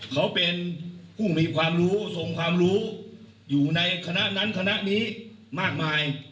เขาเป็นผู้มีความรู้ทรงความรู้อยู่ในคณะนั้นคณะนี้มากมาย